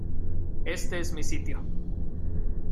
Este es mi sitio.